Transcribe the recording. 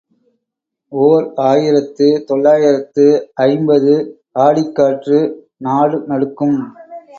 ஓர் ஆயிரத்து தொள்ளாயிரத்து ஐம்பது ஆடிக் காற்று நாடு நடுக்கும்.